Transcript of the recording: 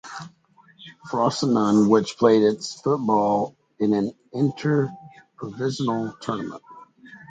Frosinone which played its football in an interprovincial tournament.